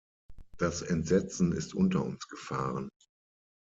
Das Entsetzen ist unter uns gefahren.